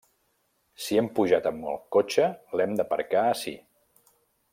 Si hem pujat amb el cotxe, l'hem d'aparcar ací.